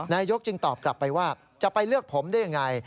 นายกจึงตอบกลับไปว่าจะไปเลือกผมได้ยังไง